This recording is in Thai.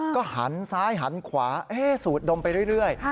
ก็หันซ้ายหันขวาสูดดมไปเรื่อย